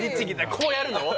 こうやるの？